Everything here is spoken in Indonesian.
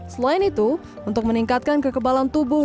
selain itu untuk meningkatkan kekebalan tubuh